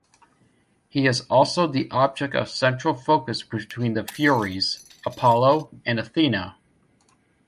He is also the object of central focus between the Furies, Apollo, and Athena.